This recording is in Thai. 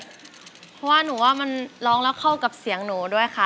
เพราะว่าหนูว่ามันร้องแล้วเข้ากับเสียงหนูด้วยค่ะ